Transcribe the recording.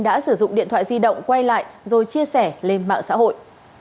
đã sử dụng điện thoại di động quay lại rồi chia sẻ lên mạng xã hội